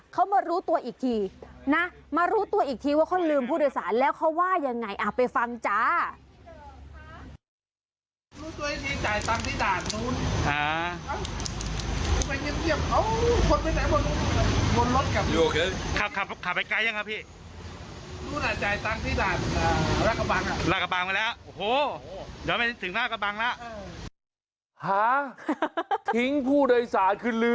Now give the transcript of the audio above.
คือขนมันเข้าปาก